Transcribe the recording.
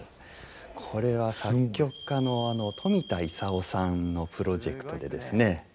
これは作曲家の冨田勲さんのプロジェクトでですね